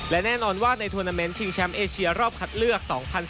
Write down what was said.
และแน่นอนว่าในทวนาเมนต์ชิงแชมป์เอเชียรอบคัดเลือก๒๐๑๘